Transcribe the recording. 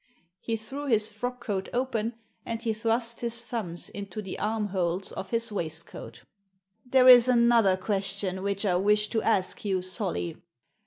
He threw his frock coat open, and he thrust his thumbs into the armholes of his waistcoat "There is another question which I wish to ask you, Solly.